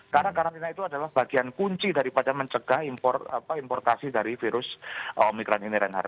karena karantina itu adalah bagian kunci daripada mencegah importasi dari virus omikron ini renhard